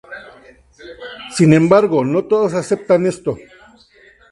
Sin embargo, no todos aceptan esto.